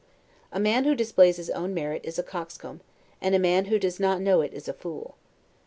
A man who displays his own merit is a coxcomb, and a man who does not know it is a fool.